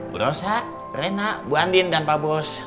bu rosa rena bu andin dan pak bos